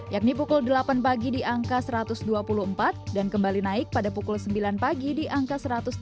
yakni pukul delapan pagi di angka satu ratus dua puluh empat dan kembali naik pada pukul sembilan pagi di angka satu ratus tiga puluh